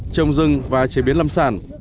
trồng rừng và chế biến lâm sản